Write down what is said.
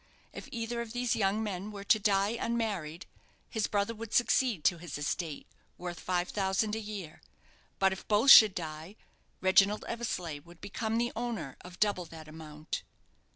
If either of these young men were to die unmarried, his brother would succeed to his estate, worth five thousand a year. But if both should die, Reginald Eversleigh would become the owner of double that amount.